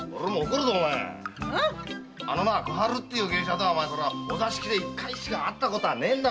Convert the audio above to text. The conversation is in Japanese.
ん⁉小春っていう芸者とはお座敷で一回しか会ったことがないんだ。